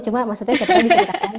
cuma maksudnya setelah disediakan